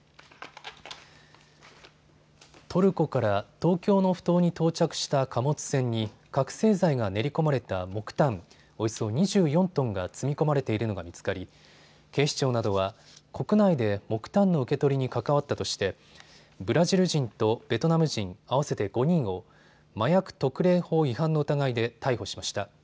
トルコから東京のふ頭に到着した貨物船に覚醒剤が練り込まれた木炭およそ２４トンが積み込まれているのが見つかり警視庁などは国内で木炭の受け取りに関わったとしてブラジル人とベトナム人、合わせて５人を麻薬特例法違反の疑いで逮捕しました。